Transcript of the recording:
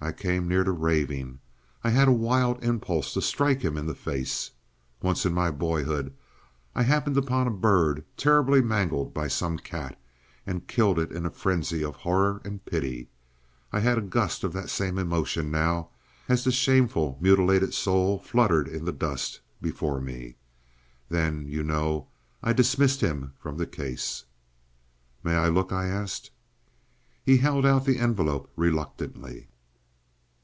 I came near to raving. I had a wild impulse to strike him in the face. Once in my boyhood I happened upon a bird terribly mangled by some cat, and killed it in a frenzy of horror and pity. I had a gust of that same emotion now, as this shameful mutilated soul fluttered in the dust, before me. Then, you know, I dismissed him from the case. "May I look?" I asked. He held out the envelope reluctantly.